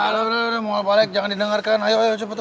kalau gitu eh tapi kamu tenang aja kasep ya